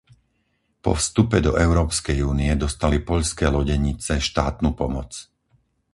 Po vstupe do Európskej únie dostali poľské lodenice štátnu pomoc.